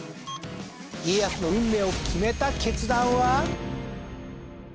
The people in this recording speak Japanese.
家康の運命を決めた決断は？